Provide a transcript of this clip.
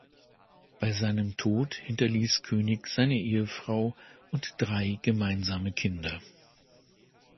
Bei seinem Tod hinterließ König seine Ehefrau und drei gemeinsame Kinder.